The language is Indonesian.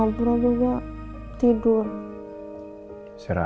ini usah segelah sendiri ya